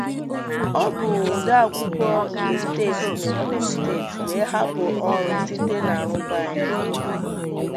Ọ bụ odeakwụkwọ nke State na Ebonyi State wee hapụ ọrụ site na arụkwaghịm